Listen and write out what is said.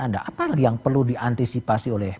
anda apa lagi yang perlu diantisipasi oleh